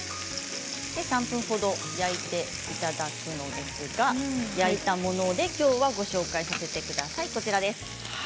３分ほど焼いていただくんですがきょうは焼いたものでご紹介させてください。